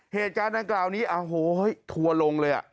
เหตุการณ์ดานกลางราวนี้ถั่วลงเลย